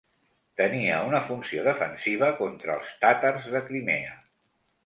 Tenia una funció defensiva contra els tàtars de Crimea.